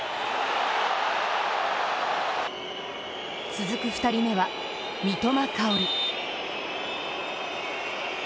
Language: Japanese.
続く２人目は、三笘薫。